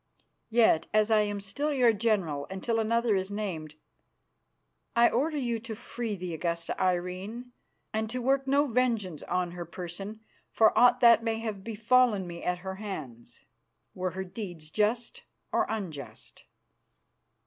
Yet, as I am still your general until another is named, I order you to free the Augusta Irene and to work no vengeance on her person for aught that may have befallen me at her hands, were her deeds just or unjust."